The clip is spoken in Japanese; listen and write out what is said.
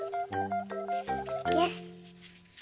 よし！